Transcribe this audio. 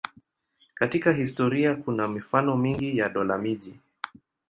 Katika historia kuna mifano mingi ya dola-miji.